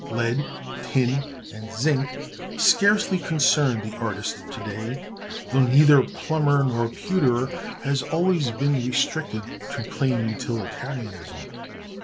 Lead, tin, and zinc scarcely concern the artist to day, though neither plumber nor pewterer has always been restricted to plain utilitarianism.